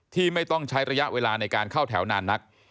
ที่ไม่ต้องใช้ระยะเวลาในการเข้าแถวนานนัก